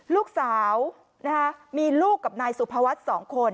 ลูกสาวมีลูกกับนายสุภวัฒน์๒คน